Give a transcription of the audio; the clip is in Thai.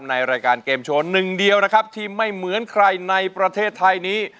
ในรายการเกมโชว์หนึ่งเดียวนะครับที่ไม่เหมือนใครในประเทศไทยนี้